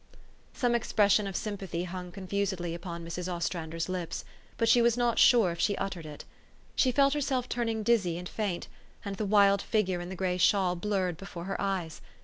Some expression of sympathy hung confusedly upon Mrs. Ostrander's lips ; but she was not sure if she uttered it. She felt herself turning dizzy and faint, and the wild figure in the gray shawl blurred before her eyes.